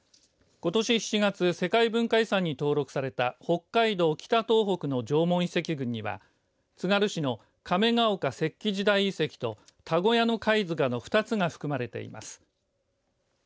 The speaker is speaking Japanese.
ことし７月、世界文化遺産に登録された北海道・北東北の縄文遺跡群にはつがる市の亀ヶ岡石器時代遺跡と田小屋野貝塚の２つが含まれています。